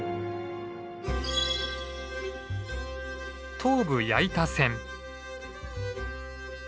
東武矢板線。